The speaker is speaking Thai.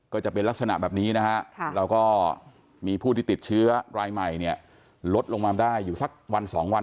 ก็จะเป็นลักษณะแบบนี้นะฮะแล้วก็มีผู้ที่ติดเชื้อรายใหม่เนี่ยลดลงมาได้อยู่สักวันสองวัน